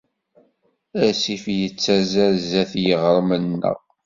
Asif yettazzal sdat yiɣrem-nneɣ.